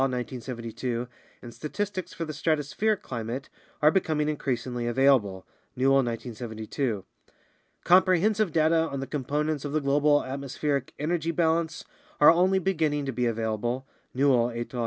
1972), and statistics for the strato spheric climate are becoming increasingly available (Newell, 1972). Comprehensive data on the components of the global atmospheric energy balance are only beginning to be available (Newell et al.